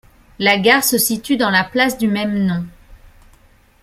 La gare se situe dans la place du même nom.